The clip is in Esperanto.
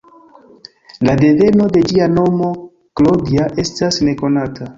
La deveno de ĝia nomo, ""Claudia"", estas nekonata.